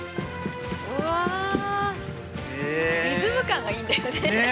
うおリズム感がいいんだよね。